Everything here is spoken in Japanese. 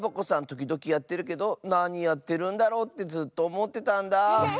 ときどきやってるけどなにやってるんだろうってずっとおもってたんだ。